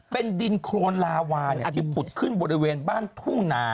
เป็นดินโครนลาวาที่ผุดขึ้นบริเวณบ้านทุ่งนา